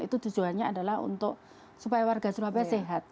itu tujuannya adalah untuk supaya warga surabaya sehat